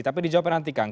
tapi dijawabkan nanti kang